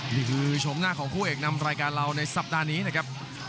นี่คือชมหน้าของคู่เอกนำรายการเราในสัปดาห์นี้นะครับ